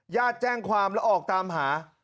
แจ้งความแล้วออกตามหา